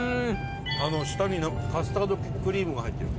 下にカスタードクリームが入ってる。